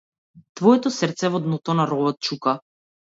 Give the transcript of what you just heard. Твоето срце во дното на ровот чука.